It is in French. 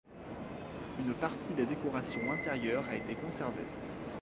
Une partie des décorations intérieures a été conservée.